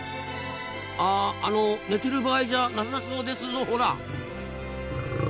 ああの寝てる場合じゃなさそうですぞほら。